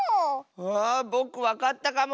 あぼくわかったかも！